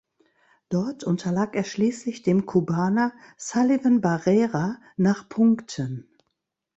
Dort unterlag er schließlich dem Kubaner Sullivan Barrera nach Punkten.